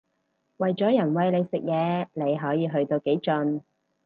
為咗人餵你食嘢你可以去到幾盡